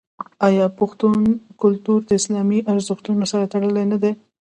آیا پښتون کلتور د اسلامي ارزښتونو سره تړلی نه دی؟